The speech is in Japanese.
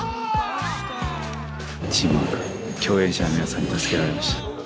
チームワーク共演者の皆さんに助けられました。